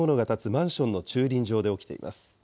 マンションの駐輪場で起きています。